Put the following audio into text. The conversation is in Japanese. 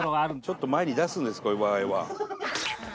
ちょっと前に出すんですこういう場合は。